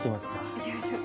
いきましょう。